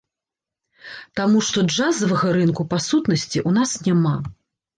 Таму што, джазавага рынку, па сутнасці, у нас няма.